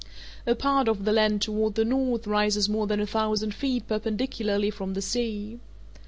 A part of the land toward the north rises more than a thousand feet perpendicularly from the sea.